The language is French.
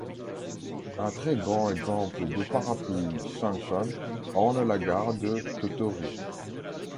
Un très grand exemple de parapluie Shan-shan orne la gare de Tottori.